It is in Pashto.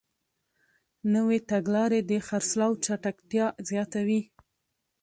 نوې تګلارې د خرڅلاو چټکتیا زیاتوي.